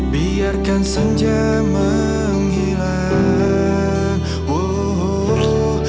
biarkan berlalu dalam keadaan